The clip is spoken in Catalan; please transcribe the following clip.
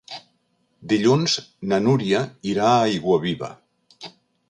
Dilluns na Núria irà a Aiguaviva.